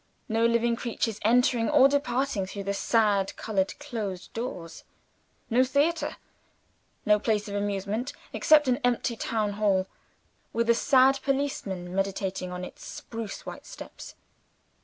No living creatures entering or departing through the sad colored closed doors. No theater; no place of amusement except an empty town hall, with a sad policeman meditating on its spruce white steps.